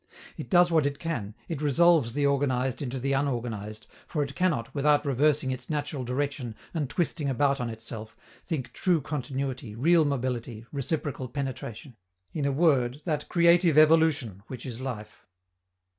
It does what it can, it resolves the organized into the unorganized, for it cannot, without reversing its natural direction and twisting about on itself, think true continuity, real mobility, reciprocal penetration in a word, that creative evolution which is life.